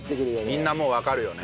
みんなもうわかるよね。